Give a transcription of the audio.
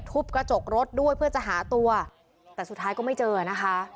กระจกรถด้วยเพื่อจะหาตัวแต่สุดท้ายก็ไม่เจอนะคะ